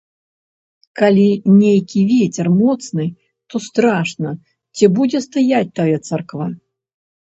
Калі нейкі вецер моцны, то страшна, ці будзе стаяць тая царква.